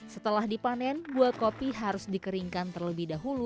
setelah dipanen buah kopi harus dikeringkan terlebih dahulu